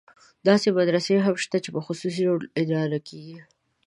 داسې مدرسې هم شته چې په خصوصي ډول اداره کېږي.